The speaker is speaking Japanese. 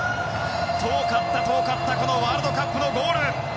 遠かった遠かったワールドカップのゴール。